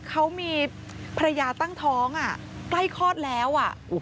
เขามีภรรยาตั้งท้องใกล้คลอดแล้ว